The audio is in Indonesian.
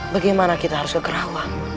bagaimana kita harus ke kerawang